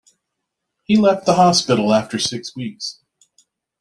He left the hospital after six weeks.